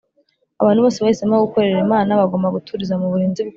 abantu bose bahisemo gukorera imana bagomba guturiza mu burinzi bwayo